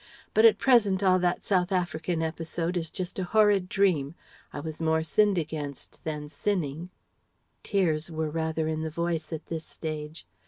But at present all that South African episode is just a horrid dream I was more sinned against than sinning" (tears were rather in the voice at this stage).